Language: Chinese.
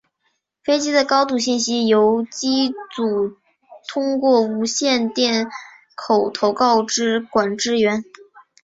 飞机的高度信息由机组通过无线电口头告知管制员。